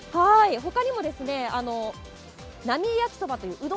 ほかにも、なみえ焼きそば。